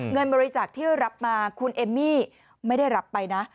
เงินบริจาคที่รับมาคุณเอมมี่ไม่ได้รับไปนะ